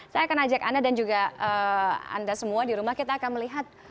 saya akan ajak anda dan juga anda semua di rumah kita akan melihat